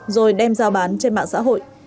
rồi đem giao bán trên mạng xã hội